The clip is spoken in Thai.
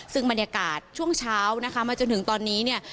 ซึ่งบรรยากาศช่วงเช้านะคะมาจนถึงตอนนี้เนี่ย